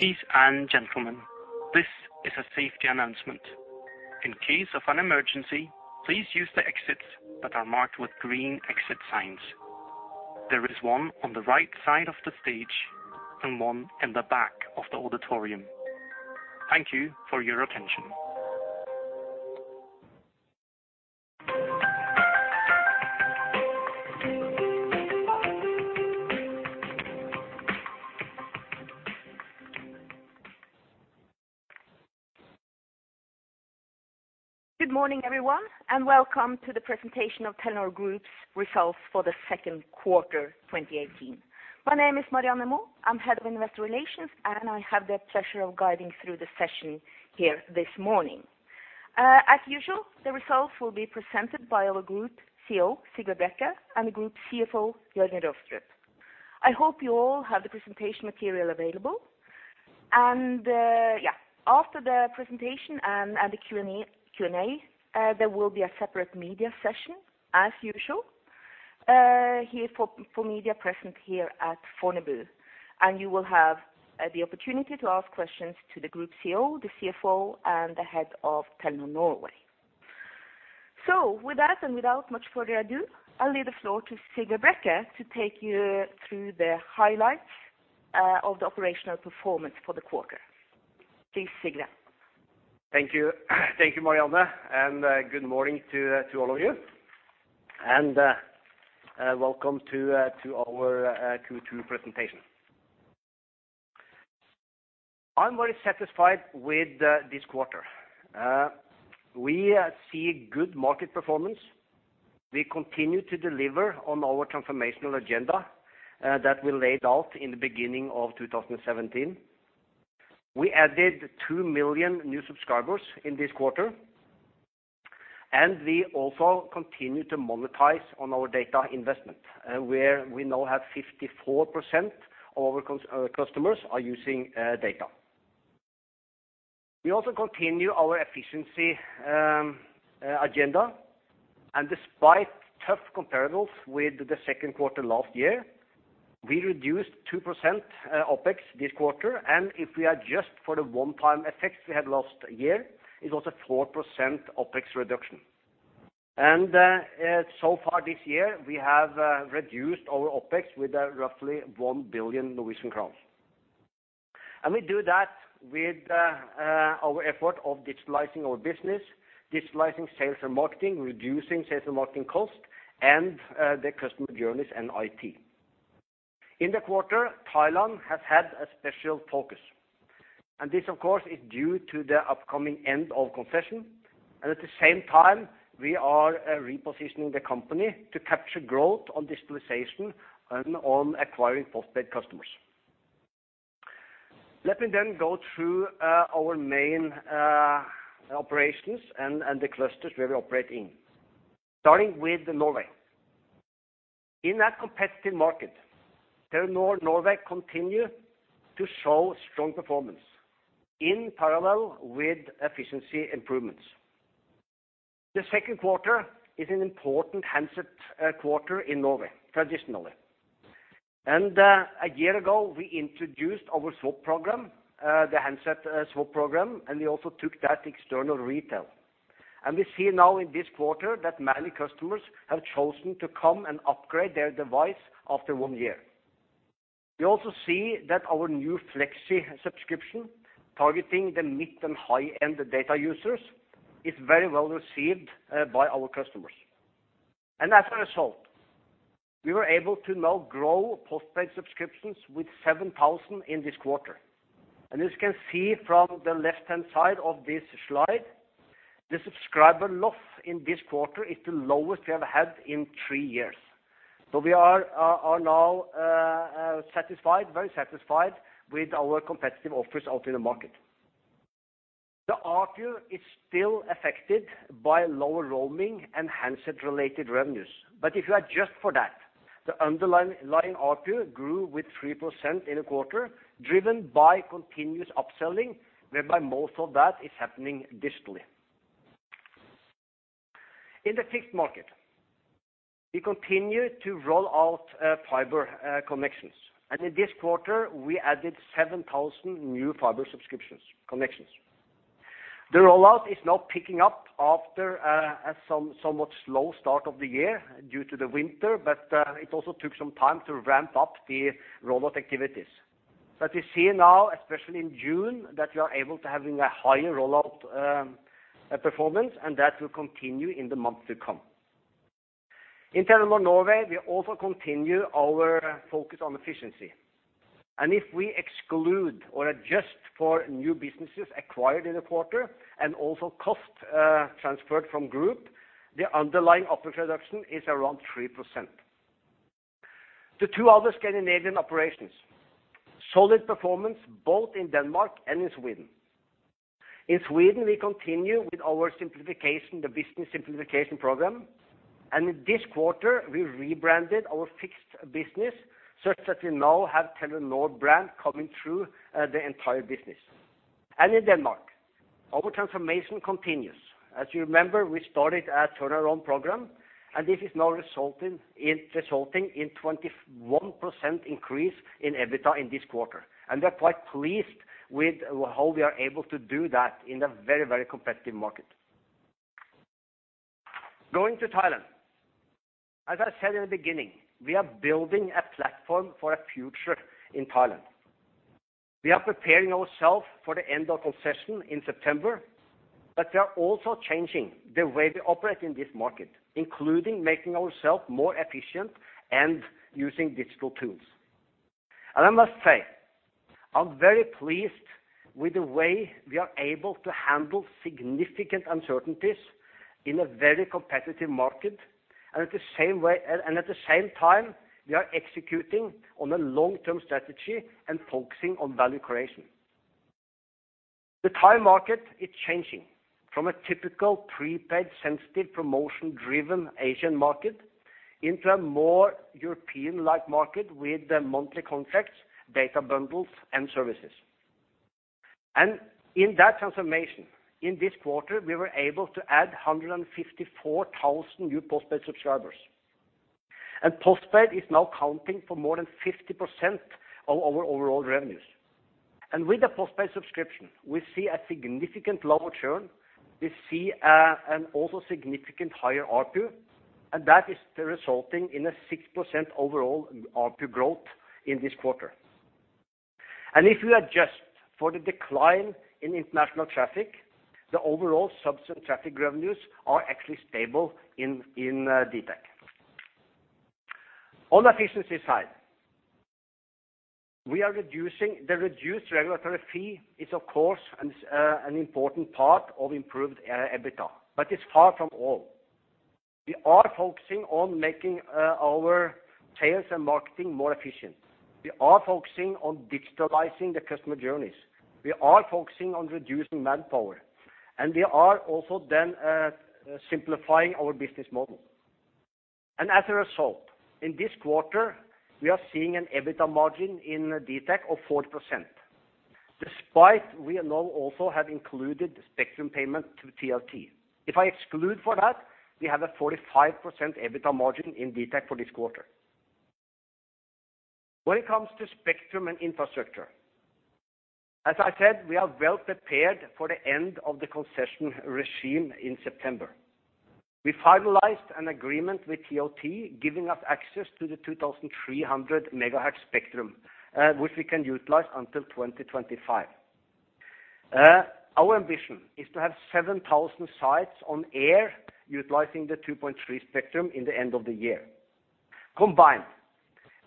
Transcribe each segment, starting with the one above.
Ladies and gentlemen, this is a safety announcement. In case of an emergency, please use the exits that are marked with green exit signs. There is one on the right side of the stage and one in the back of the auditorium. Thank you for your attention. Good morning, everyone, and welcome to the presentation of Telenor Group's results for the second quarter, 2018. My name is Marianne Aamot. I'm head of Investor Relations, and I have the pleasure of guiding through the session here this morning. As usual, the results will be presented by our group CEO, Sigve Brekke, and the group CFO, Jørgen C. Arentz Rostrup. I hope you all have the presentation material available. And yeah, after the presentation and the Q&A, there will be a separate media session, as usual, here for media present here at Fornebu. And you will have the opportunity to ask questions to the group CEO, the CFO, and the head of Telenor Norway. With that, and without much further ado, I'll leave the floor to Sigve Brekke to take you through the highlights of the operational performance for the quarter. Please, Sigve. Thank you. Thank you, Marianne, and good morning to all of you. Welcome to our Q2 presentation. I'm very satisfied with this quarter. We see good market performance. We continue to deliver on our transformational agenda that we laid out in the beginning of 2017. We added 2 million new subscribers in this quarter, and we also continue to monetize on our data investment, where we now have 54% of our customers using data. We also continue our efficiency agenda, and despite tough comparables with the second quarter last year, we reduced 2% OpEx this quarter, and if we adjust for the one-time effects we had last year, it was a 4% OpEx reduction. So far this year, we have reduced our OpEx with roughly 1 billion Norwegian crowns. We do that with our effort of digitalizing our business, digitalizing sales and marketing, reducing sales and marketing costs, and the customer journeys and IT. In the quarter, Thailand has had a special focus, and this of course is due to the upcoming end of concession, and at the same time, we are repositioning the company to capture growth on digitalization and on acquiring postpaid customers. Let me then go through our main operations and the clusters we operate in, starting with Norway. In that competitive market, Telenor Norway continue to show strong performance in parallel with efficiency improvements. The second quarter is an important handset quarter in Norway, traditionally. A year ago, we introduced our SWAP program, the handset SWAP program, and we also took that external retail. We see now in this quarter that many customers have chosen to come and upgrade their device after one year. We also see that our new Fleksi subscription, targeting the mid and high-end data users, is very well received by our customers. As a result, we were able to now grow postpaid subscriptions with 7,000 in this quarter. As you can see from the left-hand side of this slide, the subscriber loss in this quarter is the lowest we have had in three years. We are now satisfied, very satisfied with our competitive offers out in the market. The ARPU is still affected by lower roaming and handset-related revenues, but if you adjust for that, the underlying ARPU grew with 3% in a quarter, driven by continuous upselling, whereby most of that is happening digitally. In the fixed market, we continue to roll out fiber connections, and in this quarter, we added 7,000 new fiber subscriptions, connections. The rollout is now picking up after a somewhat slow start of the year due to the winter, but it also took some time to ramp up the rollout activities. But we see now, especially in June, that we are able to having a higher rollout performance, and that will continue in the months to come. In Telenor Norway, we also continue our focus on efficiency, and if we exclude or adjust for new businesses acquired in the quarter and also cost transferred from group, the underlying OpEx reduction is around 3%. The two other Scandinavian operations, solid performance both in Denmark and in Sweden. In Sweden, we continue with our simplification, the business simplification program, and in this quarter, we rebranded our fixed business such that we now have Telenor brand coming through the entire business. Our transformation continues. As you remember, we started a turnaround program, and this is now resulting in, resulting in 21% increase in EBITDA in this quarter, and we are quite pleased with how we are able to do that in a very, very competitive market. Going to Thailand. As I said in the beginning, we are building a platform for a future in Thailand. We are preparing ourselves for the end of concession in September, but we are also changing the way we operate in this market, including making ourselves more efficient and using digital tools. I must say, I'm very pleased with the way we are able to handle significant uncertainties in a very competitive market, and at the same time, we are executing on a long-term strategy and focusing on value creation. The Thai market is changing from a typical prepaid, sensitive, promotion-driven Asian market into a more European-like market with the monthly contracts, data bundles, and services. In that transformation, in this quarter, we were able to add 154,000 new postpaid subscribers. Postpaid is now accounting for more than 50% of our overall revenues. With the postpaid subscription, we see a significant lower churn. We see an also significant higher ARPU, and that is resulting in a 6% overall ARPU growth in this quarter. If you adjust for the decline in international traffic, the overall subs and traffic revenues are actually stable in dtac. On efficiency side, we are reducing the reduced regulatory fee is, of course, an important part of improved EBITDA, but it's far from all. We are focusing on making our sales and marketing more efficient. We are focusing on digitalizing the customer journeys. We are focusing on reducing manpower, and we are also then simplifying our business model. As a result, in this quarter, we are seeing an EBITDA margin in dtac of 40%, despite we now also have included the spectrum payment to TOT. If I exclude for that, we have a 45% EBITDA margin in dtac for this quarter. When it comes to spectrum and infrastructure, as I said, we are well prepared for the end of the concession regime in September. We finalized an agreement with TOT, giving us access to the 2,300 MHz spectrum, which we can utilize until 2025. Our ambition is to have 7,000 sites on air, utilizing the 2.3 spectrum in the end of the year. Combined,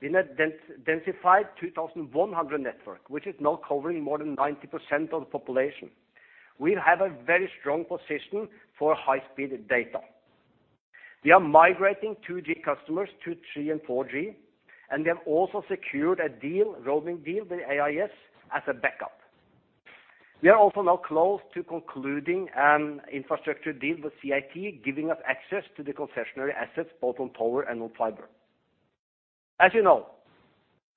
we net densified 2100 network, which is now covering more than 90% of the population. We have a very strong position for high-speed data. We are migrating 2G customers to 3G and 4G, and we have also secured a deal, roaming deal with AIS as a backup. We are also now close to concluding an infrastructure deal with CAT, giving us access to the concessionary assets, both on tower and on fiber. As you know,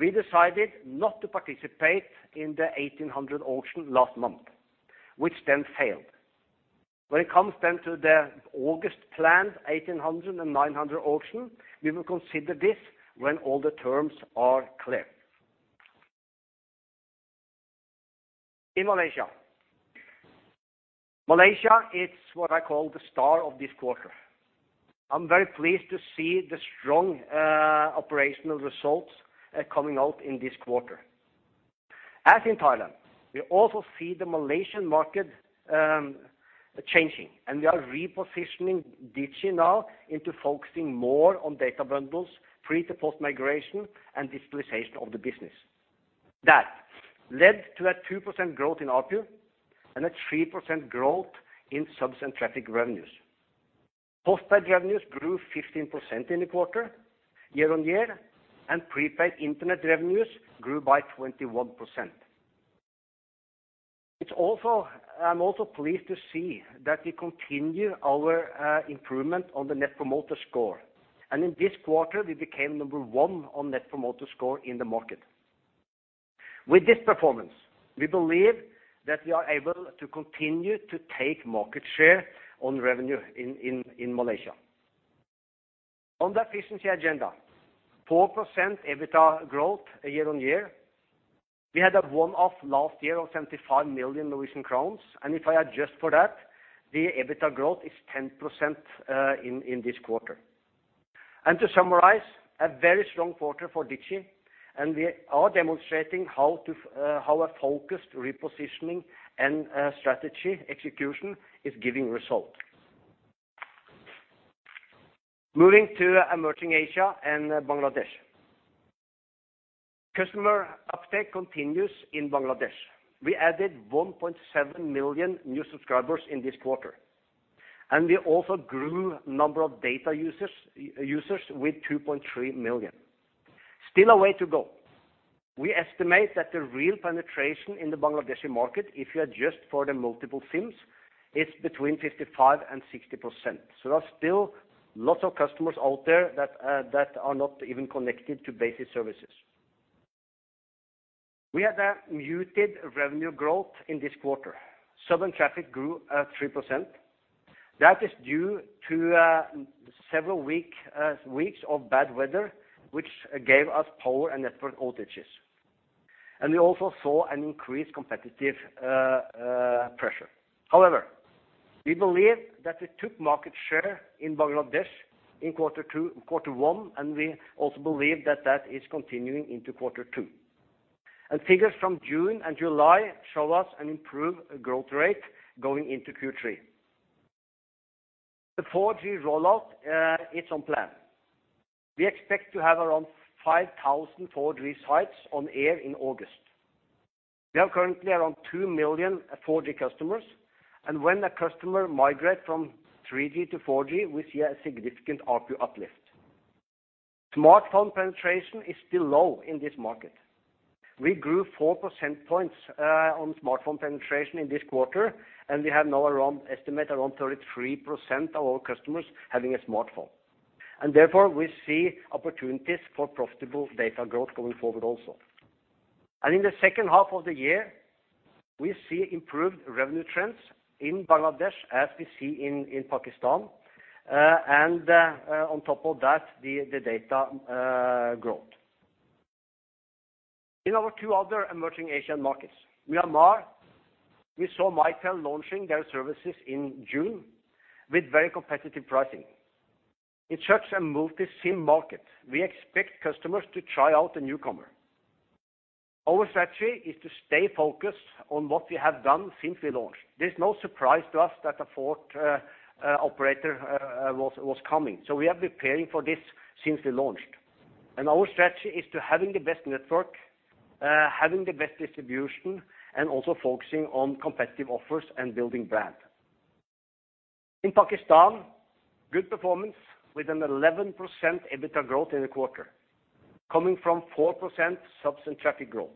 we decided not to participate in the 1800 auction last month, which then failed. When it comes then to the August planned 1800 and 900 auction, we will consider this when all the terms are clear. In Malaysia. Malaysia, it's what I call the star of this quarter. I'm very pleased to see the strong operational results coming out in this quarter. As in Thailand, we also see the Malaysian market changing, and we are repositioning Digi now into focusing more on data bundles, prepaid-to-postpaid migration, and digitalization of the business. That led to a 2% growth in ARPU and a 3% growth in subs and traffic revenues. Postpaid revenues grew 15% in the quarter, year-on-year, and prepaid internet revenues grew by 21%. It's also. I'm also pleased to see that we continue our improvement on the Net Promoter Score, and in this quarter, we became number one on Net Promoter Score in the market. With this performance, we believe that we are able to continue to take market share on revenue in Malaysia. On the efficiency agenda, 4% EBITDA growth year-on-year. We had a one-off last year of 75 million Norwegian crowns, and if I adjust for that, the EBITDA growth is 10% in this quarter. To summarize, a very strong quarter for Digi, and we are demonstrating how a focused repositioning and strategy execution is giving result. Moving to Emerging Asia and Bangladesh. Customer uptake continues in Bangladesh. We added 1.7 million new subscribers in this quarter, and we also grew number of data users, users with 2.3 million. Still a way to go. We estimate that the real penetration in the Bangladeshi market, if you adjust for the multiple SIMs, is between 55% and 60%. So there are still lots of customers out there that are not even connected to basic services. We had a muted revenue growth in this quarter. Sub and traffic grew at 3%. That is due to several weeks of bad weather, which gave us power and network outages, and we also saw an increased competitive pressure. However, we believe that we took market share in Bangladesh in quarter two - quarter one, and we also believe that that is continuing into quarter two. Figures from June and July show us an improved growth rate going into Q3. The 4G rollout is on plan. We expect to have around 5,000 4G sites on air in August. We have currently around 2 million 4G customers, and when a customer migrate from 3G to 4G, we see a significant ARPU uplift. Smartphone penetration is still low in this market. We grew 4 percentage points on smartphone penetration in this quarter, and we have now around estimate around 33% of our customers having a smartphone, and therefore, we see opportunities for profitable data growth going forward also. In the second half of the year, we see improved revenue trends in Bangladesh as we see in Pakistan and on top of that, the data growth. In our two other emerging Asian markets, Myanmar, we saw Mytel launching their services in June with very competitive pricing. In such a multi-sim market, we expect customers to try out a newcomer. Our strategy is to stay focused on what we have done since we launched. There's no surprise to us that a fourth operator was coming, so we have been preparing for this since we launched. Our strategy is to having the best network, having the best distribution, and also focusing on competitive offers and building brand. In Pakistan, good performance with an 11% EBITDA growth in the quarter, coming from 4% subs and traffic growth.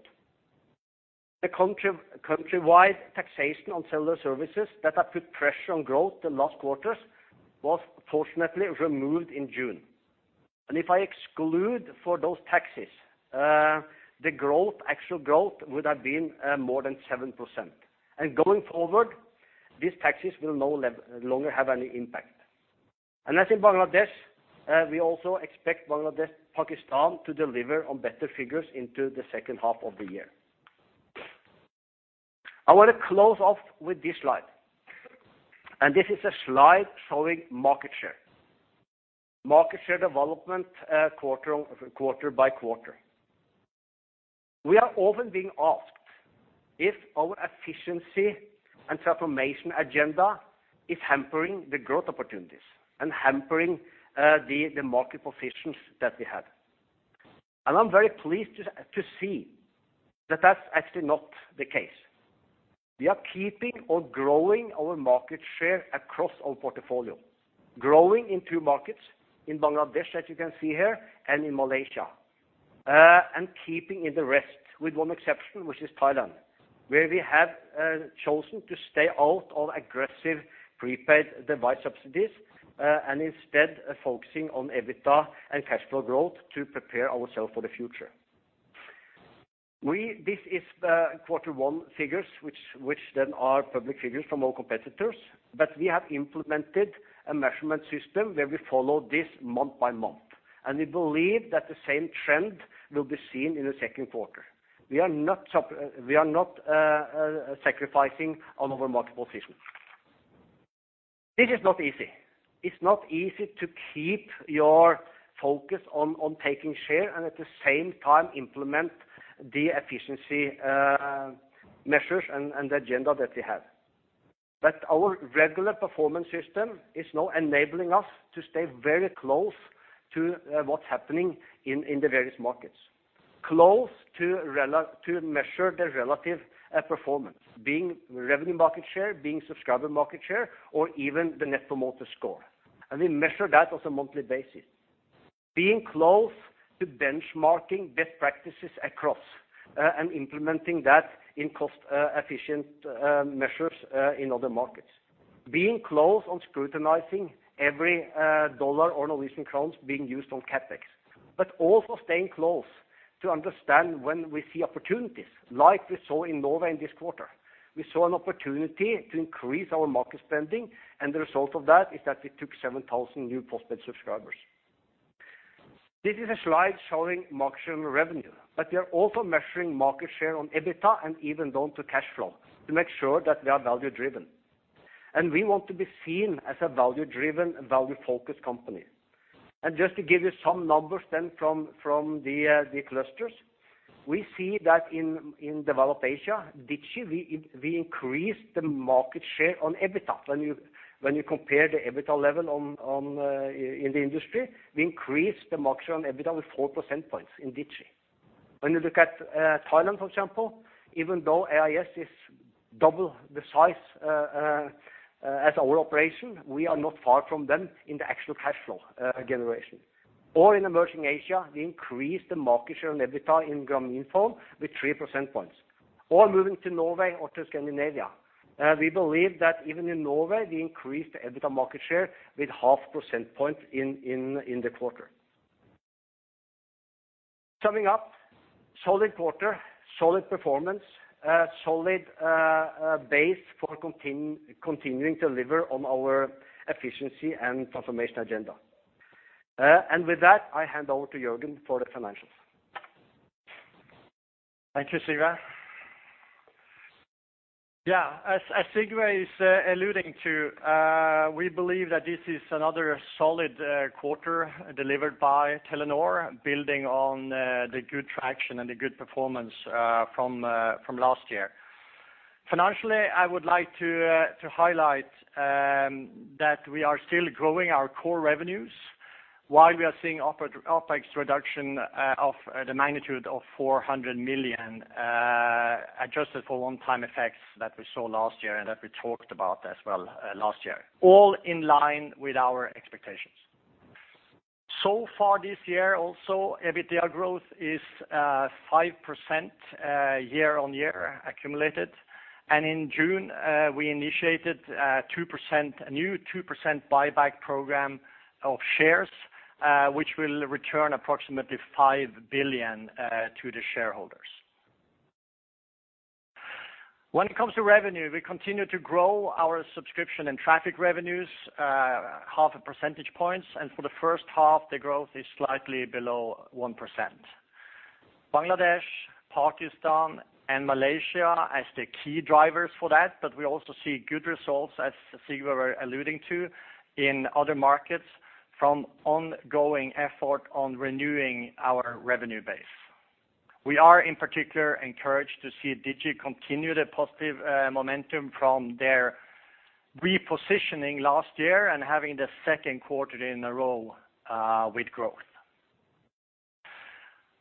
The countrywide taxation on cellular services that have put pressure on growth in the last quarters was fortunately removed in June. If I exclude for those taxes, the growth, actual growth would have been, more than 7%. And going forward, these taxes will no longer have any impact. And as in Bangladesh, we also expect Bangladesh, Pakistan to deliver on better figures into the second half of the year. I want to close off with this slide, and this is a slide showing market share development, quarter by quarter. We are often being asked if our efficiency and transformation agenda is hampering the growth opportunities and hampering the market positions that we have. I'm very pleased to see that that's actually not the case. We are keeping or growing our market share across our portfolio, growing in two markets, in Bangladesh, as you can see here, and in Malaysia, and keeping in the rest, with one exception, which is Thailand, where we have chosen to stay out of aggressive prepaid device subsidies, and instead focusing on EBITDA and cash flow growth to prepare ourselves for the future. This is the quarter one figures, which then are public figures from our competitors, but we have implemented a measurement system where we follow this month by month, and we believe that the same trend will be seen in the second quarter. We are not sacrificing on our market position. This is not easy. It's not easy to keep your focus on taking share and at the same time implement the efficiency measures and the agenda that we have. But our regular performance system is now enabling us to stay very close to what's happening in the various markets, close to measure the relative performance, being revenue market share, being subscriber market share, or even the Net Promoter Score, and we measure that on a monthly basis. Being close to benchmarking best practices across and implementing that in cost efficient measures in other markets. Being close on scrutinizing every dollar or Norwegian kroner being used on CapEx, but also staying close to understand when we see opportunities, like we saw in Norway in this quarter. We saw an opportunity to increase our market spending, and the result of that is that we took 7,000 new postpaid subscribers. This is a slide showing market share revenue, but we are also measuring market share on EBITDA and even down to cash flow to make sure that we are value-driven. We want to be seen as a value-driven, value-focused company. Just to give you some numbers then from the clusters, we see that in Developed Asia, Digi, we increased the market share on EBITDA. When you, when you compare the EBITDA level on, on, in the industry, we increased the market share on EBITDA with 4 percentage points in Digi. When you look at Thailand, for example, even though AIS is double the size as our operation, we are not far from them in the actual cash flow generation. Or in emerging Asia, we increased the market share on EBITDA in Grameenphone with 3 percentage points or moving to Norway or to Scandinavia. We believe that even in Norway, we increased the EBITDA market share with 0.5 percentage points in the quarter. Summing up, solid quarter, solid performance, a solid base for continuing to deliver on our efficiency and transformation agenda. And with that, I hand over to Jørgen for the financials. Thank you, Sigve. Yeah, as Sigve is alluding to, we believe that this is another solid quarter delivered by Telenor, building on the good traction and the good performance from last year. Financially, I would like to highlight that we are still growing our core revenues while we are seeing OpEx reduction of the magnitude of 400 million, adjusted for one-time effects that we saw last year and that we talked about as well last year, all in line with our expectations. So far this year also, EBITDA growth is 5% year-on-year accumulated. And in June, we initiated a new 2% buyback program of shares, which will return approximately 5 billion to the shareholders. When it comes to revenue, we continue to grow our subscription and traffic revenues, 0.5 percentage points, and for the first half, the growth is slightly below 1%. Bangladesh, Pakistan, and Malaysia as the key drivers for that, but we also see good results, as Sigve was alluding to, in other markets from ongoing effort on renewing our revenue base. We are, in particular, encouraged to see Digi continue the positive momentum from their repositioning last year and having the second quarter in a row with growth.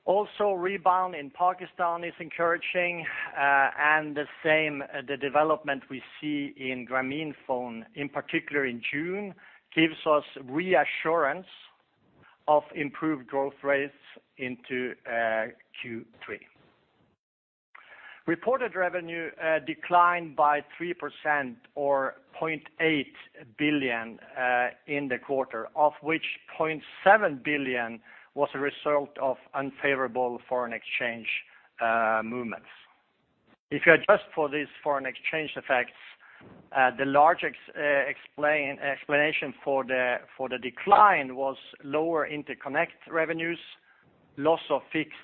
Also, rebound in Pakistan is encouraging, and the same, the development we see in Grameenphone, in particular in June, gives us reassurance of improved growth rates into Q3. Reported revenue declined by 3% or 0.8 billion in the quarter, of which 0.7 billion was a result of unfavorable foreign exchange movements. If you adjust for these foreign exchange effects, the large explanation for the decline was lower interconnect revenues, loss of fixed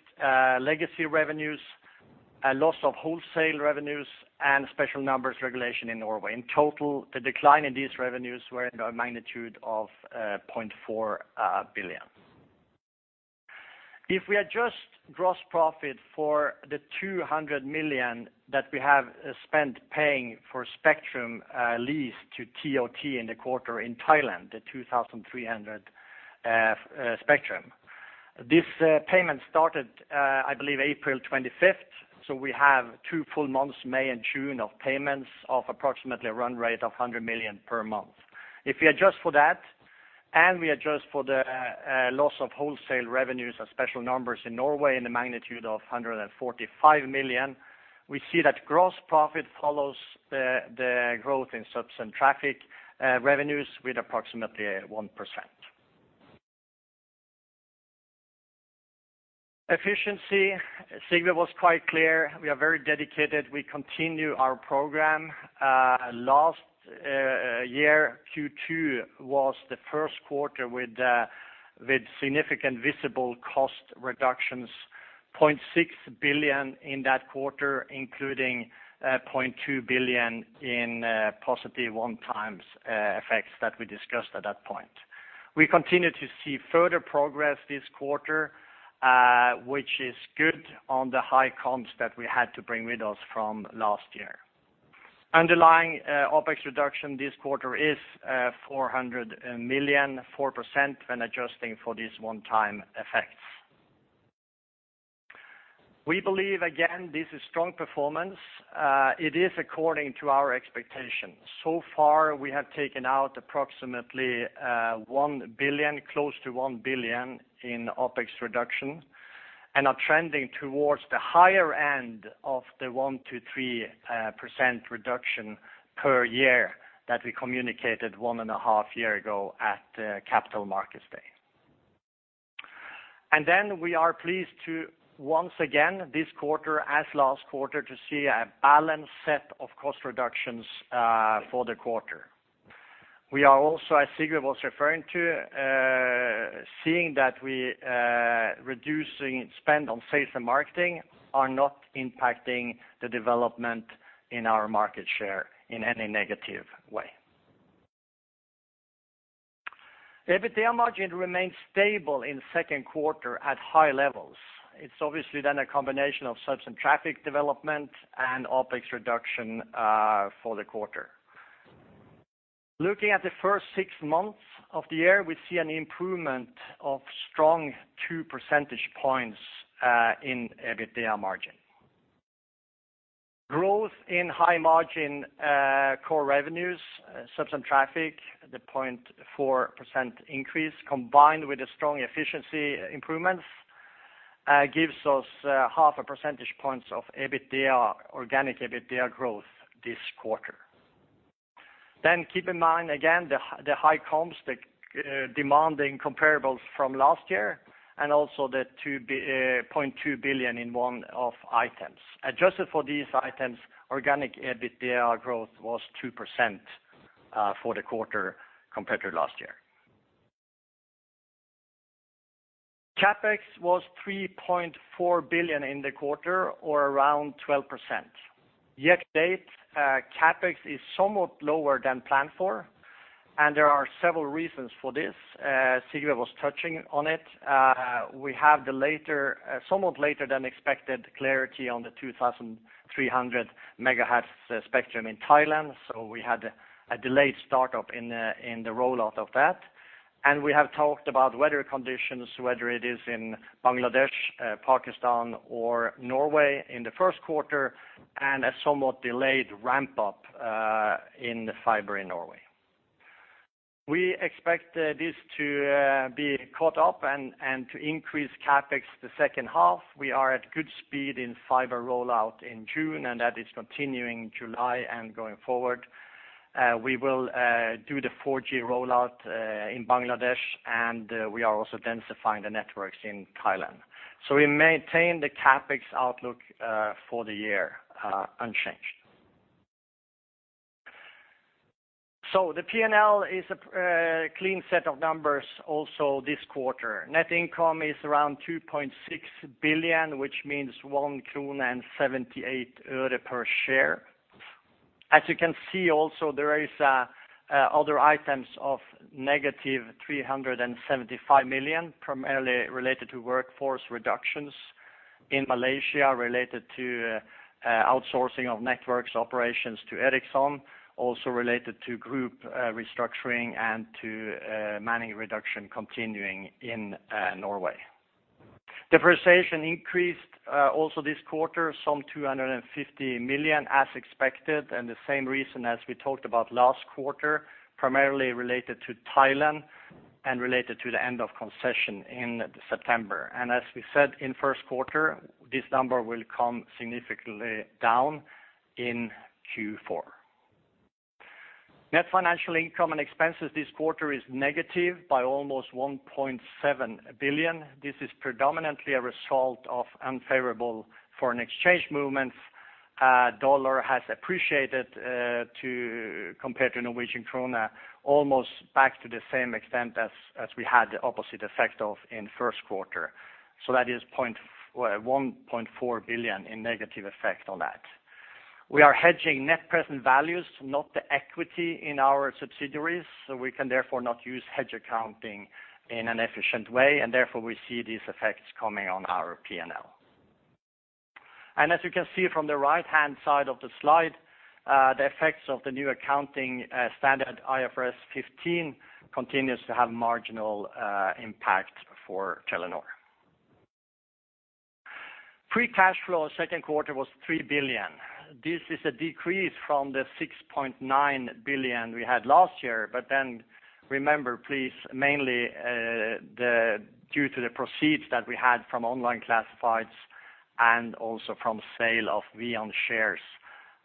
legacy revenues, a loss of wholesale revenues, and special numbers regulation in Norway. In total, the decline in these revenues were in a magnitude of 0.4 billion. If we adjust gross profit for the 200 million that we have spent paying for spectrum lease to TOT in the quarter in Thailand, the 2300 spectrum. This payment started, I believe, April 25, so we have two full months, May and June, of payments of approximately a run rate of 100 million per month. If we adjust for that, and we adjust for the loss of wholesale revenues and special numbers in Norway in the magnitude of 145 million, we see that gross profit follows the growth in subs and traffic revenues with approximately 1%. Efficiency, Sigve was quite clear, we are very dedicated. We continue our program. Last year, Q2 was the first quarter with significant visible cost reductions, 0.6 billion in that quarter, including 0.2 billion in positive one-time effects that we discussed at that point. We continue to see further progress this quarter, which is good on the high comps that we had to bring with us from last year. Underlying OpEx reduction this quarter is 400 million, 4% when adjusting for these one-time effects. We believe, again, this is strong performance. It is according to our expectations. So far, we have taken out approximately 1 billion, close to 1 billion in OpEx reduction, and are trending towards the higher end of the 1%-3% reduction per year that we communicated one and a half year ago at Capital Markets Day. And then we are pleased to once again, this quarter, as last quarter, to see a balanced set of cost reductions for the quarter. We are also, as Sigve was referring to, seeing that we, reducing spend on sales and marketing are not impacting the development in our market share in any negative way. EBITDA margin remains stable in second quarter at high levels. It's obviously then a combination of subs and traffic development and OpEx reduction for the quarter. Looking at the first six months of the year, we see an improvement of strong 2 percentage points in EBITDA margin. In high margin core revenues, subs and traffic, the 0.4% increase, combined with the strong efficiency improvements, gives us 0.5 percentage point of EBITDA, organic EBITDA growth this quarter. Then keep in mind, again, the high comps, the demanding comparables from last year, and also the 0.2 billion in one-off items. Adjusted for these items, organic EBITDA growth was 2% for the quarter compared to last year. CapEx was 3.4 billion in the quarter, or around 12%. Year-to-date, CapEx is somewhat lower than planned for, and there are several reasons for this. Sigve was touching on it. We have the later, somewhat later than expected clarity on the 2,300 megahertz spectrum in Thailand, so we had a delayed start-up in the rollout of that. And we have talked about weather conditions, whether it is in Bangladesh, Pakistan, or Norway in the first quarter, and a somewhat delayed ramp up in the fiber in Norway. We expect this to be caught up and to increase CapEx the second half. We are at good speed in fiber rollout in June, and that is continuing July and going forward. We will do the 4G rollout in Bangladesh, and we are also densifying the networks in Thailand. So we maintain the CapEx outlook for the year unchanged. So the P&L is a clean set of numbers also this quarter. Net income is around 2.6 billion, which means 1 krone and 78 øre per share. As you can see also, there is other items of negative 375 million, primarily related to workforce reductions in Malaysia, related to outsourcing of network operations to Ericsson, also related to group restructuring and to manning reduction continuing in Norway. Depreciation increased also this quarter, some 250 million as expected, and the same reason as we talked about last quarter, primarily related to Thailand and related to the end of concession in September. As we said in first quarter, this number will come significantly down in Q4. Net financial income and expenses this quarter is negative by almost 1.7 billion. This is predominantly a result of unfavorable foreign exchange movements. Dollar has appreciated, compared to Norwegian krone, almost back to the same extent as, as we had the opposite effect of in first quarter. So that is well, 1.4 billion in negative effect on that. We are hedging net present values, not the equity in our subsidiaries, so we can therefore not use hedge accounting in an efficient way, and therefore we see these effects coming on our P&L. And as you can see from the right-hand side of the slide, the effects of the new accounting standard, IFRS 15, continues to have marginal impact for Telenor. Free cash flow, second quarter was 3 billion. This is a decrease from the 6.9 billion we had last year, but then remember, please, mainly due to the proceeds that we had from online classifieds and also from sale of VEON shares.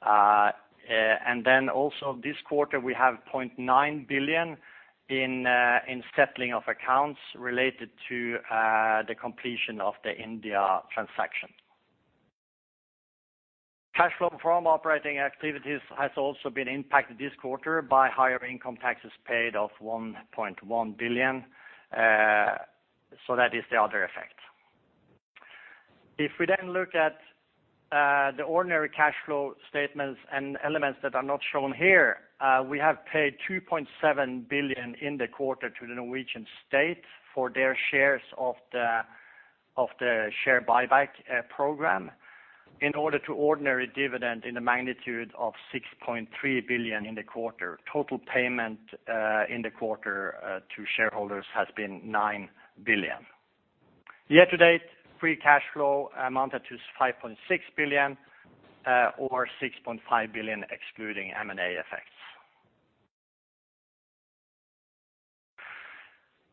And then also this quarter, we have 0.9 billion in settling of accounts related to the completion of the India transaction. Cash flow from operating activities has also been impacted this quarter by higher income taxes paid of 1.1 billion, so that is the other effect. If we then look at the ordinary cash flow statements and elements that are not shown here, we have paid 2.7 billion in the quarter to the Norwegian state for their shares of the share buyback program, in addition to ordinary dividend in the magnitude of 6.3 billion in the quarter. Total payment in the quarter to shareholders has been 9 billion. Year-to-date, free cash flow amounted to 5.6 billion, or 6.5 billion, excluding M&A effects.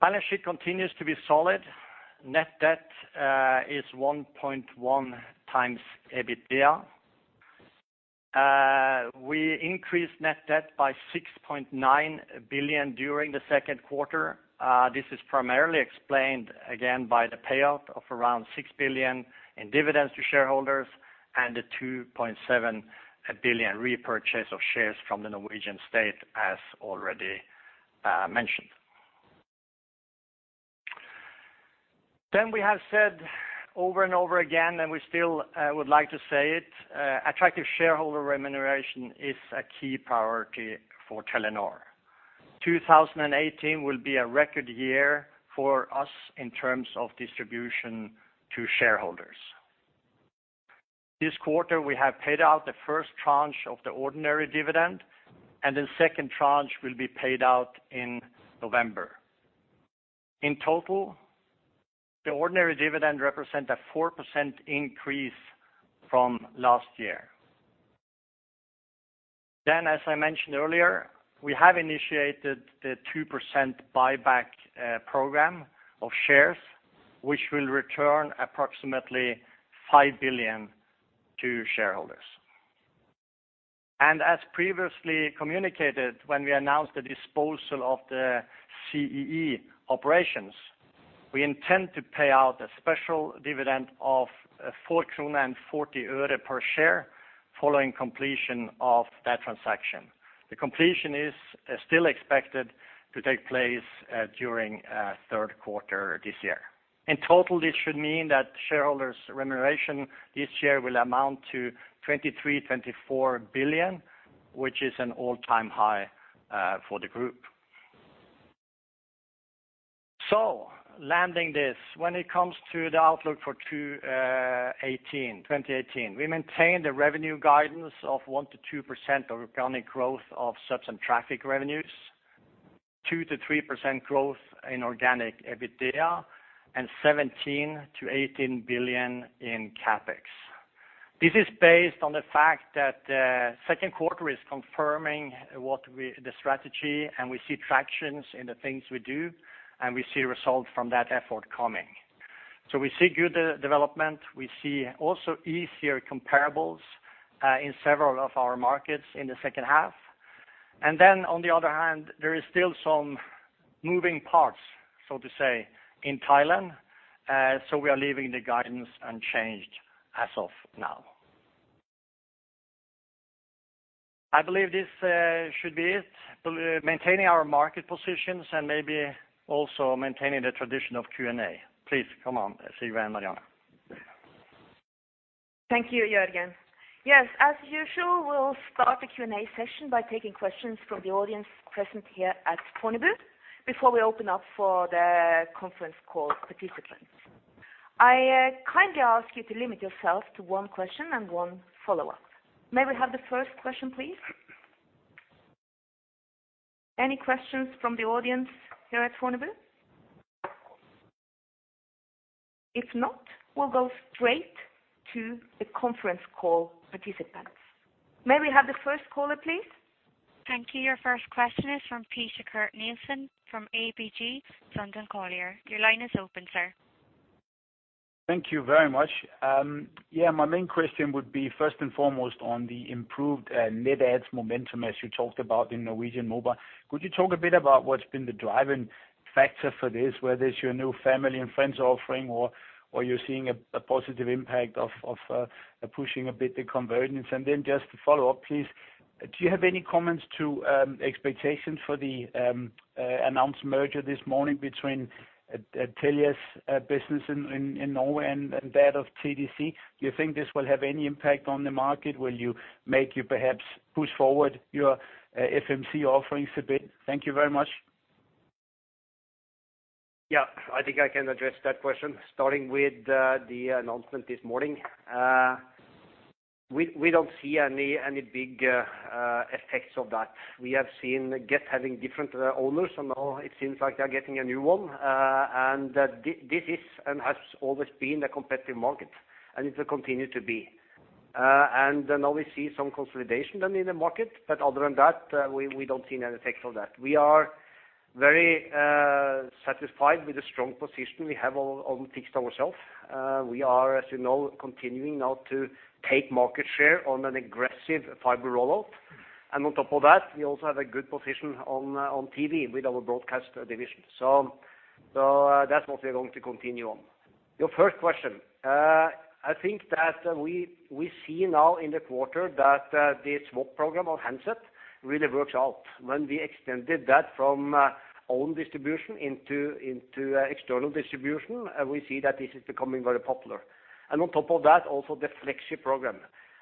Balance sheet continues to be solid. Net debt is 1.1 times EBITDA. We increased net debt by 6.9 billion during the second quarter. This is primarily explained again by the payout of around 6 billion in dividends to shareholders and the 2.7 billion repurchase of shares from the Norwegian state, as already mentioned. Then we have said over and over again, and we still would like to say it, attractive shareholder remuneration is a key priority for Telenor. 2018 will be a record year for us in terms of distribution to shareholders. This quarter, we have paid out the first tranche of the ordinary dividend, and the second tranche will be paid out in November. ...In total, the ordinary dividend represents a 4% increase from last year. Then, as I mentioned earlier, we have initiated the 2% buyback program of shares, which will return approximately 5 billion to shareholders. And as previously communicated, when we announced the disposal of the CEE operations, we intend to pay out a special dividend of NOK 4.40 per share following completion of that transaction. The completion is still expected to take place during third quarter this year. In total, this should mean that shareholders' remuneration this year will amount to 23-24 billion, which is an all-time high for the group. So landing this, when it comes to the outlook for 2018, we maintain the revenue guidance of 1%-2% organic growth of subs and traffic revenues, 2%-3% growth in organic EBITDA, and 17-18 billion in CapEx. This is based on the fact that the second quarter is confirming the strategy, and we see tractions in the things we do, and we see results from that effort coming. So we see good development. We see also easier comparables in several of our markets in the second half. And then on the other hand, there is still some moving parts, so to say, in Thailand, so we are leaving the guidance unchanged as of now. I believe this should be it. Maintaining our market positions and maybe also maintaining the tradition of Q&A. Please come on, Sigve, Marianne. Thank you, Jørgen. Yes, as usual, we'll start the Q&A session by taking questions from the audience present here at Fornebu, before we open up for the conference call participants. I kindly ask you to limit yourself to one question and one follow-up. May we have the first question, please? Any questions from the audience here at Fornebu? If not, we'll go straight to the conference call participants. May we have the first caller, please? Thank you. Your first question is from Peter Kurt Nielsen from ABG Sundal Collier. Your line is open, sir. Thank you very much. Yeah, my main question would be first and foremost on the improved net adds momentum as you talked about in Norwegian Mobile. Could you talk a bit about what's been the driving factor for this, whether it's your new family and friends offering or you're seeing a positive impact of pushing a bit the convergence? And then just to follow up, please, do you have any comments to expectations for the announced merger this morning between Telia's business in Norway and that of TDC? Do you think this will have any impact on the market? Will you make you perhaps push forward your FMC offerings a bit? Thank you very much. Yeah, I think I can address that question. Starting with the announcement this morning. We don't see any big effects of that. We have seen Get having different owners, and now it seems like they're getting a new one. And this is and has always been a competitive market, and it will continue to be. And now we see some consolidation in the market, but other than that, we don't see any effects of that. We are very satisfied with the strong position we have on Telenor ourselves. We are, as you know, continuing now to take market share on an aggressive fiber rollout. And on top of that, we also have a good position on TV with our broadcast division. So that's what we are going to continue on. Your first question. I think that we see now in the quarter that the SWAP program on handsets really works out. When we extended that from own distribution into external distribution, we see that this is becoming very popular. And on top of that, also the Fleksi program,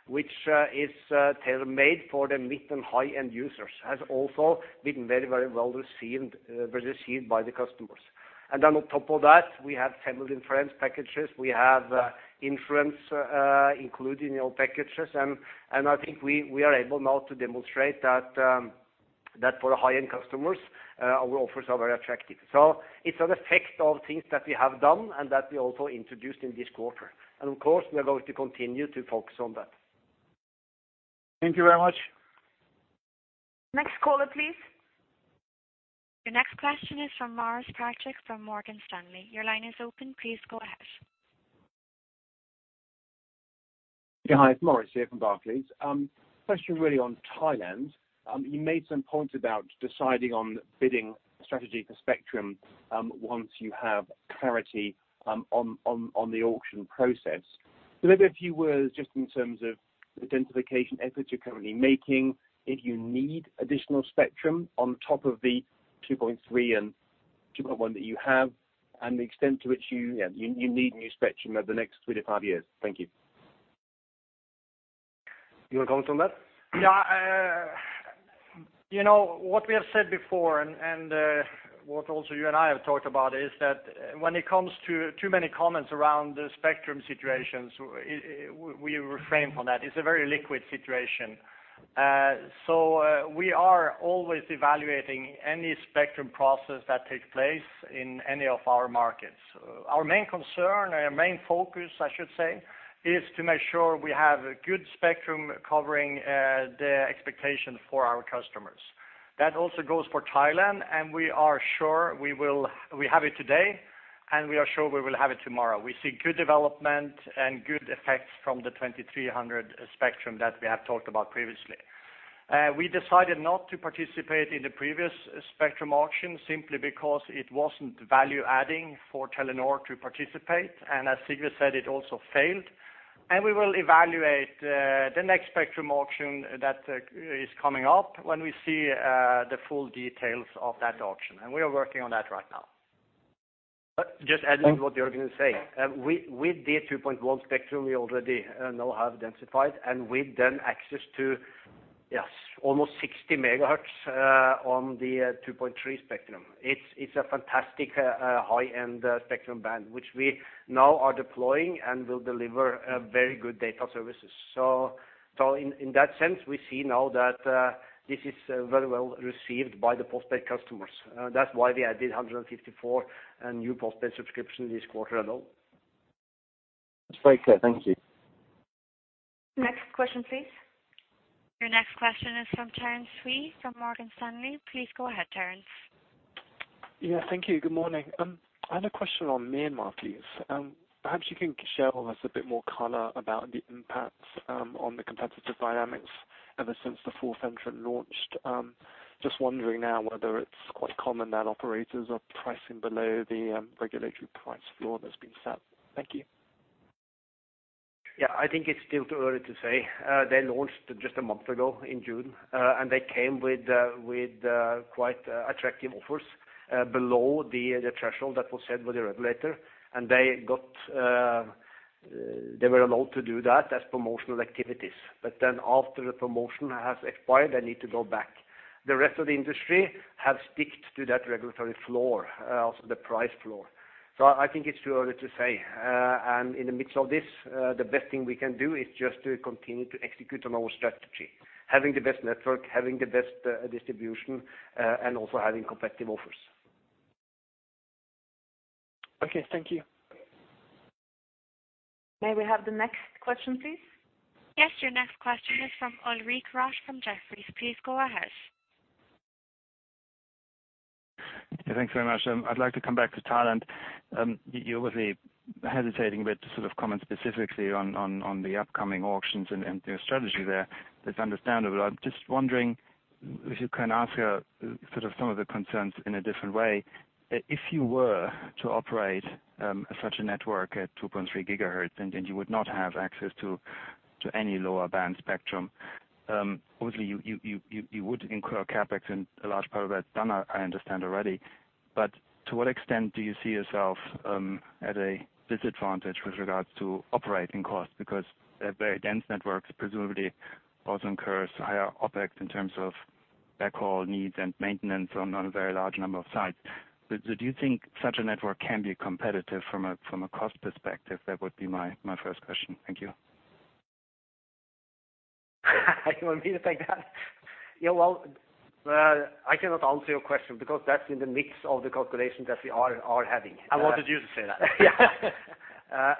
which is tailor-made for the mid and high-end users, has also been very, very well received, well received by the customers. And then on top of that, we have family and friends packages. We have unlimited including, you know, packages, and I think we are able now to demonstrate that for the high-end customers our offers are very attractive. So it's an effect of things that we have done and that we also introduced in this quarter. Of course, we are going to continue to focus on that. Thank you very much. Next caller, please. Your next question is from Maurice Patrick from Morgan Stanley. Your line is open. Please go ahead. Yeah, hi, it's Maurice here from Barclays. Question really on Thailand. You made some points about deciding on bidding strategy for spectrum, once you have clarity on the auction process. So maybe a few words just in terms of identification efforts you're currently making, if you need additional spectrum on top of the 2.3 and 2.1 that you have, and the extent to which you, yeah, you need new spectrum over the next 3-5 years. Thank you. You want to comment on that? Yeah, you know, what we have said before, and what also you and I have talked about is that when it comes to too many comments around the spectrum situations, we refrain from that. It's a very liquid situation. So, we are always evaluating any spectrum process that takes place in any of our markets. Our main concern, our main focus, I should say, is to make sure we have a good spectrum covering the expectation for our customers. That also goes for Thailand, and we are sure we will—we have it today, and we are sure we will have it tomorrow. We see good development and good effects from the 2300 spectrum that we have talked about previously. We decided not to participate in the previous spectrum auction simply because it wasn't value adding for Telenor to participate, and as Sigve said, it also failed. We will evaluate the next spectrum auction that is coming up when we see the full details of that auction, and we are working on that right now. Just adding to what Jørgen is saying. With, with the 2.1 spectrum, we already now have densified, and we've done access to, yes, almost 60 megahertz on the 2.3 spectrum. It's, it's a fantastic high-end spectrum band, which we now are deploying and will deliver very good data services. So, so in, in that sense, we see now that this is very well received by the postpaid customers. That's why we added 154 new postpaid subscriptions this quarter alone. It's very clear. Thank you. Next question, please. Your next question is from Terence Tsui, from Morgan Stanley. Please go ahead, Terence. Yeah, thank you. Good morning. I had a question on Myanmar, please. Perhaps you can share with us a bit more color about the impacts on the competitive dynamics ever since the fourth entrant launched. Just wondering now whether it's quite common that operators are pricing below the regulatory price floor that's been set. Thank you. Yeah, I think it's still too early to say. They launched just a month ago in June, and they came with quite attractive offers below the threshold that was set by the regulator. And they got, they were allowed to do that as promotional activities. But then after the promotion has expired, they need to go back. The rest of the industry have sticked to that regulatory floor, also the price floor. So I think it's too early to say. And in the midst of this, the best thing we can do is just to continue to execute on our strategy, having the best network, having the best distribution, and also having competitive offers. Okay. Thank you. May we have the next question, please? Yes, your next question is from Ulrich Rathe from Jefferies. Please go ahead. Yeah, thanks very much. I'd like to come back to Thailand. You were really hesitating with sort of comment specifically on the upcoming auctions and your strategy there. That's understandable. I'm just wondering if you can ask sort of some of the concerns in a different way. If you were to operate such a network at 2.3 gigahertz, and then you would not have access to any lower band spectrum, obviously you would incur CapEx and a large part of that done, I understand already. But to what extent do you see yourself at a disadvantage with regards to operating costs? Because a very dense network presumably also incurs higher OpEx in terms of backhaul needs and maintenance on a very large number of sites. Do you think such a network can be competitive from a cost perspective? That would be my first question. Thank you. You want me to take that? Yeah, well, I cannot answer your question because that's in the midst of the calculations that we are having. I wanted you to say that.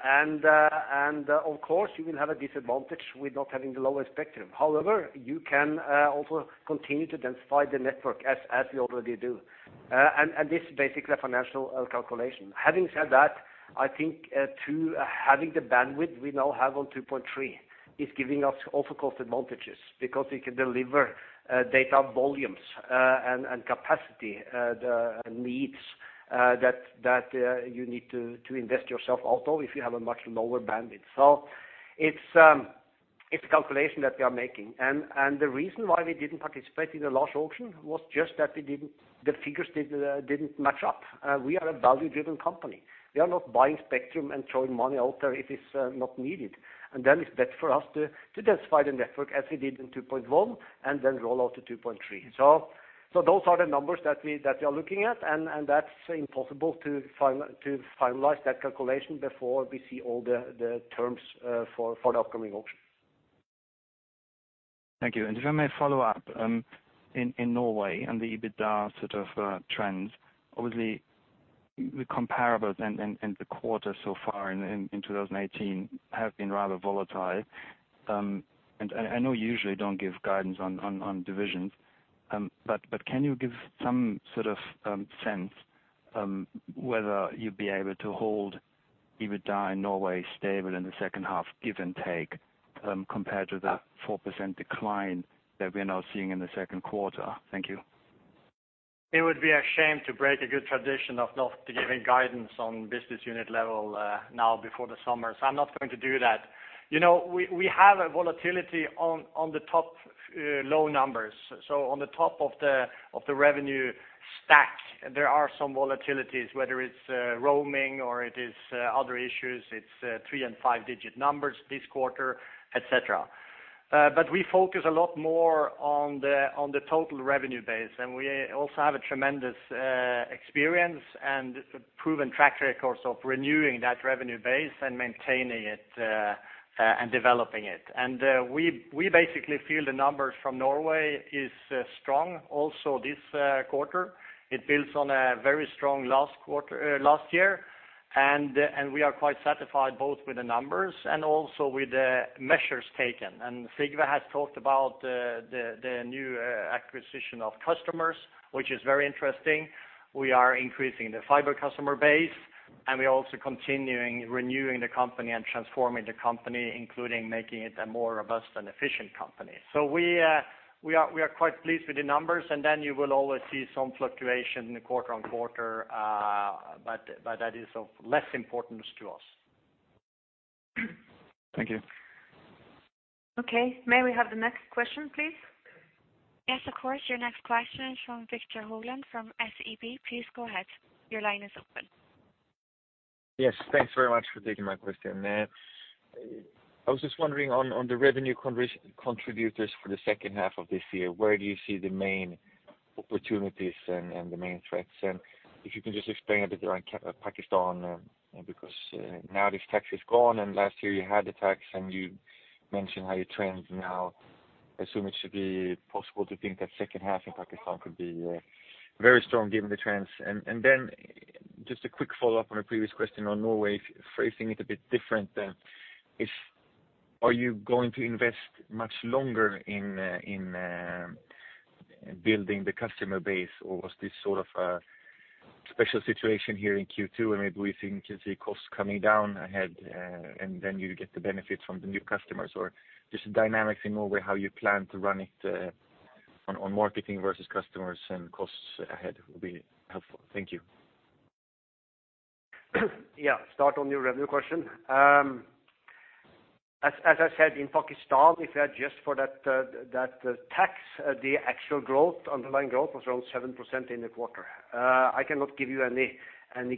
And of course, you will have a disadvantage with not having the lower spectrum. However, you can also continue to densify the network as we already do. And this is basically a financial calculation. Having said that, I think to having the bandwidth we now have on 2.3 is giving us also cost advantages because we can deliver data volumes and capacity the needs that you need to invest yourself out, or if you have a much lower bandwidth. So it's a calculation that we are making. And the reason why we didn't participate in the last auction was just that we didn't—the figures didn't match up. We are a value-driven company. We are not buying spectrum and throwing money out there if it's not needed. And then it's better for us to densify the network as we did in 2.1, and then roll out to 2.3. So those are the numbers that we are looking at, and that's impossible to finalize that calculation before we see all the terms for the upcoming auction. Thank you. And if I may follow up, in Norway and the EBITDA sort of trends, obviously, the comparables and the quarter so far in 2018 have been rather volatile. And I know you usually don't give guidance on divisions, but can you give some sort of sense whether you'd be able to hold EBITDA in Norway stable in the second half, give and take, compared to the 4% decline that we are now seeing in the second quarter? Thank you. It would be a shame to break a good tradition of not giving guidance on business unit level now before the summer, so I'm not going to do that. You know, we have a volatility on the top line numbers. So on the top of the revenue stack, there are some volatilities, whether it's roaming or it is other issues, it's three- and five-digit numbers this quarter, et cetera. But we focus a lot more on the total revenue base, and we also have a tremendous experience and a proven track record of renewing that revenue base and maintaining it and developing it. And we basically feel the numbers from Norway is strong also this quarter. It builds on a very strong last quarter, last year, and we are quite satisfied both with the numbers and also with the measures taken. Sigve has talked about the new acquisition of customers, which is very interesting. We are increasing the fiber customer base, and we're also continuing renewing the company and transforming the company, including making it a more robust and efficient company. So we are quite pleased with the numbers, and then you will always see some fluctuation in the quarter-on-quarter, but that is of less importance to us. Thank you. Okay. May we have the next question, please? Yes, of course. Your next question is from Viktor Högberg from SEB. Please go ahead. Your line is open. Yes, thanks very much for taking my question. I was just wondering on the revenue contributors for the second half of this year, where do you see the main opportunities and the main threats? And if you can just explain a bit around Pakistan, because now this tax is gone, and last year you had the tax, and you mentioned how you trend now. I assume it should be possible to think that second half in Pakistan could be very strong given the trends. And then just a quick follow-up on a previous question on Norway, phrasing it a bit different, if... Are you going to invest much longer in building the customer base, or was this sort of a special situation here in Q2, and maybe we think you'll see costs coming down ahead, and then you get the benefit from the new customers? Or just the dynamics in Norway, how you plan to run it, on marketing versus customers and costs ahead will be helpful. Thank you. Yeah, start on your revenue question. As I said, in Pakistan, if you adjust for that, that tax, the actual growth, underlying growth, was around 7% in the quarter. I cannot give you any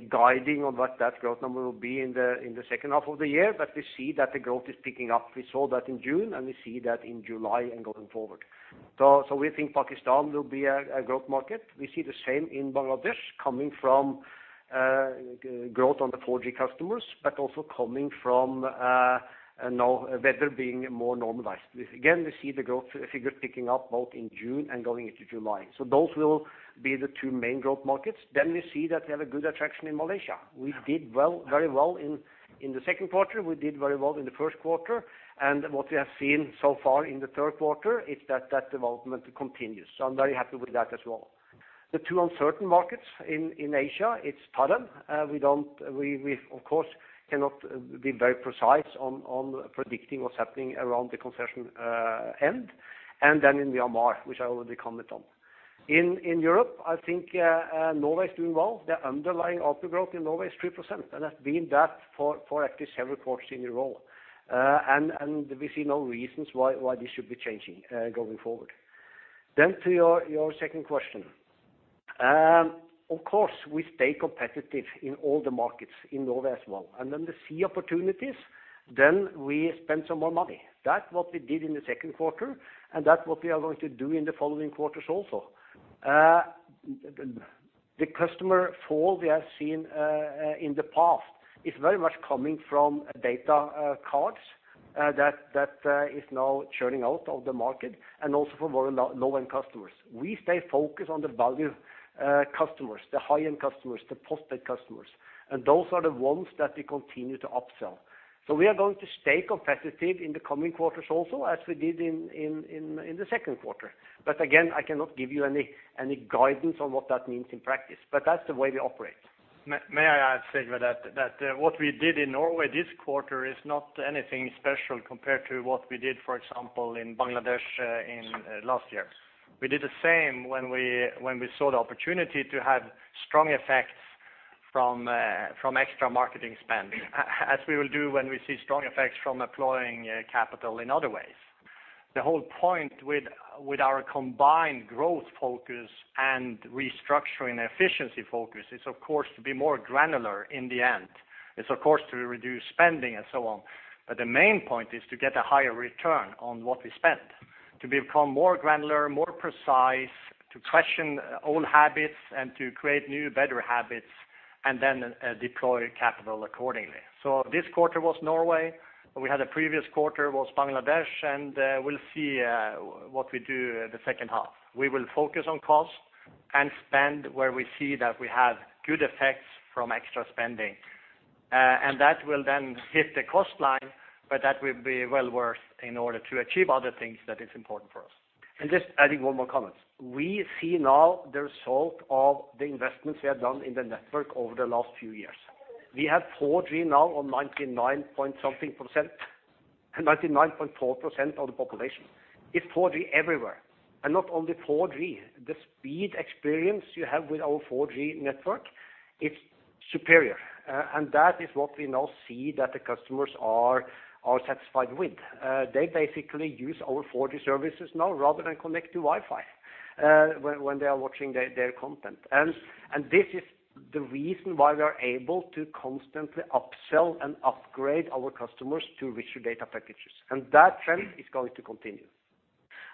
guiding on what that growth number will be in the second half of the year, but we see that the growth is picking up. We saw that in June, and we see that in July and going forward. So we think Pakistan will be a growth market. We see the same in Bangladesh, coming from growth on the 4G customers, but also coming from now weather being more normalized. Again, we see the growth figures picking up both in June and going into July. So those will be the two main growth markets. Then we see that they have a good attraction in Malaysia. We did well, very well in the second quarter, we did very well in the first quarter, and what we have seen so far in the third quarter is that that development continues, so I'm very happy with that as well. The two uncertain markets in Asia, it's Thailand. We don't, we, of course, cannot be very precise on predicting what's happening around the concession end, and then in Myanmar, which I already commented on. In Europe, I think, Norway is doing well. The underlying ARPU growth in Norway is 3%, and that's been that for actually several quarters in a row. And we see no reasons why this should be changing going forward. Then to your second question. Of course, we stay competitive in all the markets, in Norway as well, and when we see opportunities, then we spend some more money. That's what we did in the second quarter, and that's what we are going to do in the following quarters also. The customer fall we have seen in the past is very much coming from data cards that is now churning out of the market and also from our low-end customers. We stay focused on the value customers, the high-end customers, the postpaid customers, and those are the ones that we continue to upsell. So we are going to stay competitive in the coming quarters also, as we did in the second quarter. But again, I cannot give you any guidance on what that means in practice, but that's the way we operate. May I add, Sigve, that what we did in Norway this quarter is not anything special compared to what we did, for example, in Bangladesh last year. We did the same when we saw the opportunity to have strong effects from extra marketing spend, as we will do when we see strong effects from deploying capital in other ways. The whole point with our combined growth focus and restructuring efficiency focus is, of course, to be more granular in the end. It's, of course, to reduce spending and so on. But the main point is to get a higher return on what we spend, to become more granular, more precise, to question old habits, and to create new, better habits, and then deploy capital accordingly. So this quarter was Norway, we had a previous quarter was Bangladesh, and, we'll see, what we do the second half. We will focus on cost and spend where we see that we have good effects from extra spending. And that will then hit the cost line, but that will be well worth in order to achieve other things that is important for us. Just adding one more comment. We see now the result of the investments we have done in the network over the last few years. We have 4G now on 99.something%, 99.4% of the population. It's 4G everywhere, and not only 4G, the speed experience you have with our 4G network, it's superior. And that is what we now see that the customers are satisfied with. They basically use our 4G services now rather than connect to Wi-Fi, when they are watching their content. And this is the reason why we are able to constantly upsell and upgrade our customers to richer data packages, and that trend is going to continue.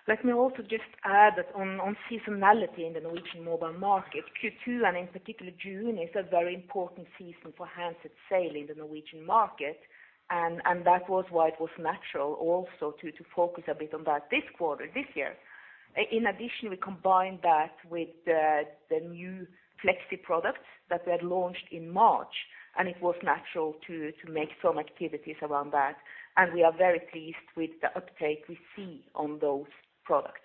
...Let me also just add that on seasonality in the Norwegian mobile market, Q2, and in particular, June, is a very important season for handset sale in the Norwegian market. And that was why it was natural also to focus a bit on that this quarter, this year. In addition, we combined that with the new Fleksi products that we had launched in March, and it was natural to make some activities around that, and we are very pleased with the uptake we see on those products.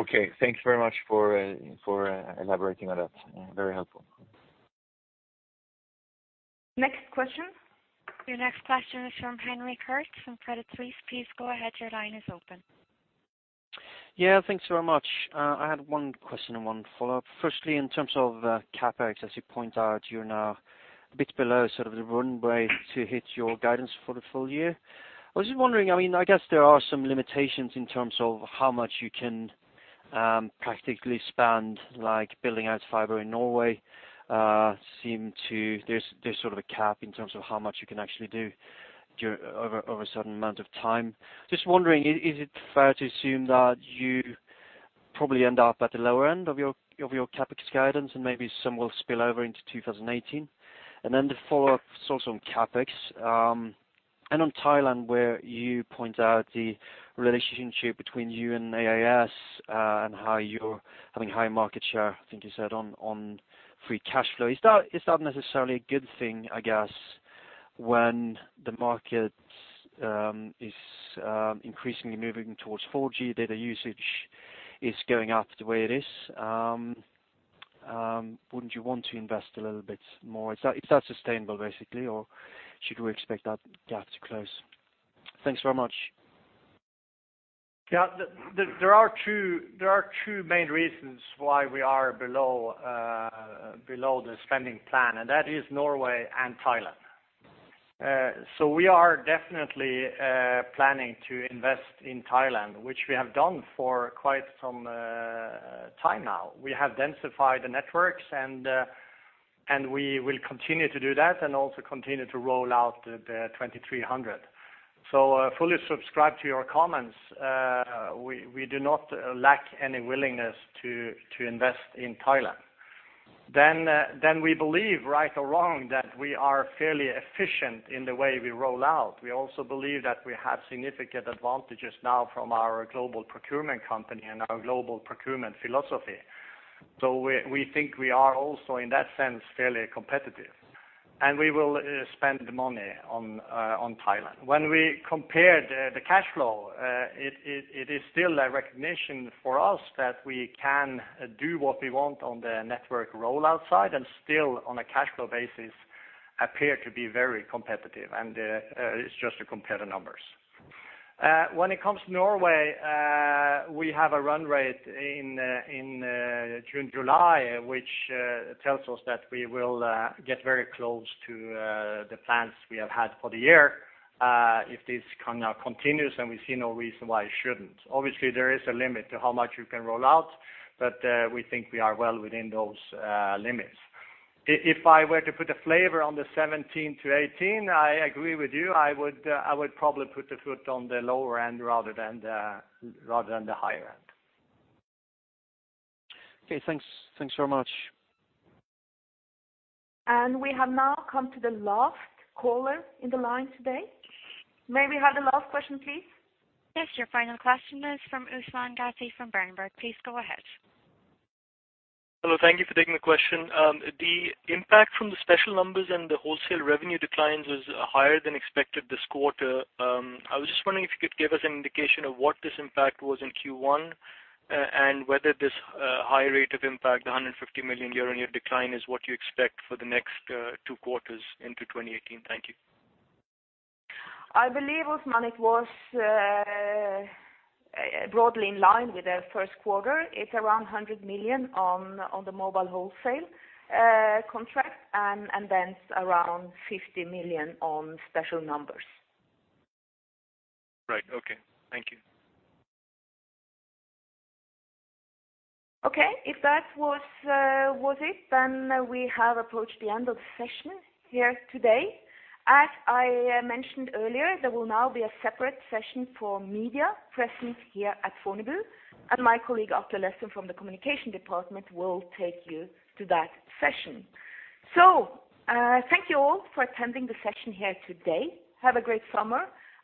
Okay, thank you very much for elaborating on that. Very helpful. Next question. Your next question is from Henrik Herbst from Credit Suisse. Please go ahead. Your line is open. Yeah, thanks very much. I had one question and one follow-up. Firstly, in terms of CapEx, as you point out, you're now a bit below sort of the run rate to hit your guidance for the full year. I was just wondering, I mean, I guess there are some limitations in terms of how much you can practically spend, like building out fiber in Norway, there's sort of a cap in terms of how much you can actually do over a certain amount of time. Just wondering, is it fair to assume that you probably end up at the lower end of your CapEx guidance, and maybe some will spill over into 2018? And then the follow-up is also on CapEx, and on Thailand, where you point out the relationship between you and AIS, and how you're having high market share, I think you said, on, on free cash flow. Is that, is that necessarily a good thing, I guess, when the market is increasingly moving towards 4G, data usage is going up the way it is, wouldn't you want to invest a little bit more? Is that, is that sustainable basically, or should we expect that gap to close? Thanks very much. Yeah, there are two main reasons why we are below the spending plan, and that is Norway and Thailand. So we are definitely planning to invest in Thailand, which we have done for quite some time now. We have densified the networks, and we will continue to do that and also continue to roll out the 2300. So, fully subscribe to your comments. We do not lack any willingness to invest in Thailand. Then we believe, right or wrong, that we are fairly efficient in the way we roll out. We also believe that we have significant advantages now from our global procurement company and our global procurement philosophy. So we think we are also, in that sense, fairly competitive, and we will spend the money on Thailand. When we compare the cash flow, it is still a recognition for us that we can do what we want on the network rollout side and still, on a cash flow basis, appear to be very competitive, and it's just to compare the numbers. When it comes to Norway, we have a run rate in June, July, which tells us that we will get very close to the plans we have had for the year, if this kind of continues, and we see no reason why it shouldn't. Obviously, there is a limit to how much you can roll out, but we think we are well within those limits. If I were to put a flavor on the 2017 to 2018, I agree with you, I would probably put the foot on the lower end rather than the higher end. Okay, thanks. Thanks very much. We have now come to the last caller in the line today. May we have the last question, please? Yes, your final question is from Usman Ghazi from Berenberg. Please go ahead. Hello, thank you for taking the question. The impact from the special numbers and the wholesale revenue declines was higher than expected this quarter. I was just wondering if you could give us an indication of what this impact was in Q1, and whether this high rate of impact, the NOK 150 million year-on-year decline, is what you expect for the next 2 quarters into 2018. Thank you. I believe, Usman, it was broadly in line with the first quarter. It's around 100 million on the mobile wholesale contract, and then around 50 million on special numbers. Right. Okay. Thank you. Okay, if that was, was it, then we have approached the end of the session here today. As I mentioned earlier, there will now be a separate session for media present here at Fornebu, and my colleague, Atle Lessum from the communication department, will take you to that session. So, thank you all for attending the session here today. Have a great summer,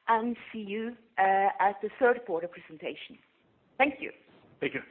and see you at the third quarter presentation. Thank you. Thank you.